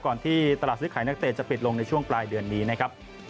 ที่ตลาดซื้อขายนักเตะจะปิดลงในช่วงปลายเดือนนี้นะครับ